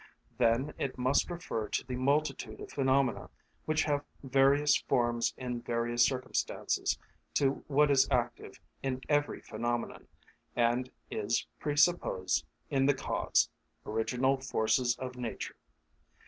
Then it must refer the multitude of phenomena which have various forms in various circumstances to what is active in every phenomenon, and is presupposed in the cause,—original forces of nature.